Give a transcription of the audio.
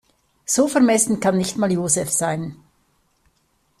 So vermessen kann nicht mal Joseph sein.